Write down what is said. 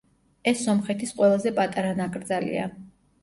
ეს სომხეთის ყველაზე პატარა ნაკრძალია.